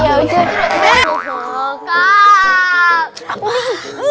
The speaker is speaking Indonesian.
ya iya terus